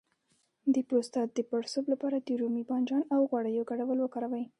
د پروستات د پړسوب لپاره د رومي بانجان او غوړیو ګډول وکاروئ